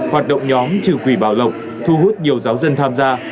hoạt động nhóm trừ quỷ bảo lộc thu hút nhiều giáo dân tham gia